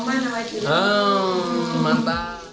ini kue lumpur